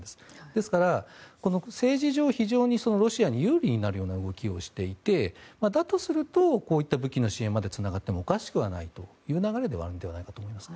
ですから政治上、非常にロシアに有利になるような動きをしていてだとすると、こういった武器の支援までつながってもおかしくはないという流れではあるのではないかと思います。